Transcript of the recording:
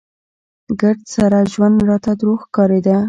ګرد سره ژوند راته دروغ ښکارېده.